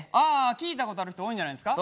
聴いた事ある人多いんじゃないんですか？